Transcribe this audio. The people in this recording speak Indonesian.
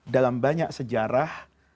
dalam banyak sejarah